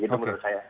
itu menurut saya